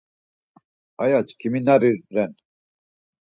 Ayati çkiminari ren.